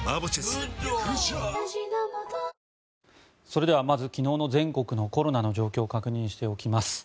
それではまず昨日の全国のコロナの状況確認しておきます。